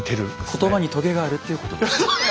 言葉にとげがあるということですか。